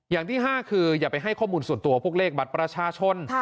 อย่างที่๕คืออย่าไปให้ข้อมูลส่วนตัวพวกเลขบัตรประชาชน